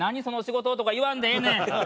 その仕事」とか言わんでええねん。